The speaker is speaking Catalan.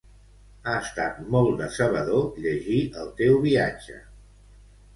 Ha estar molt decebedor llegir el teu viatge!